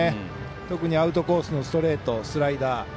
特にアウトコースのストレートスライダー